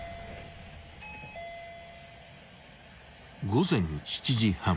［午前７時半］